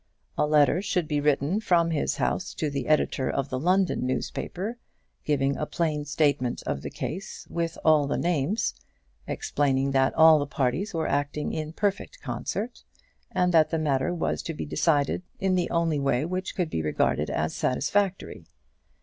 A letter should be written from his house to the editor of the London newspaper, giving a plain statement of the case, with all the names, explaining that all the parties were acting in perfect concert, and that the matter was to be decided in the only way which could be regarded as satisfactory.